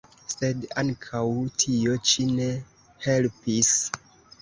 Sed ankaŭ tio ĉi ne helpis.